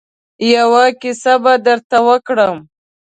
يوه کيسه به درته وکړم.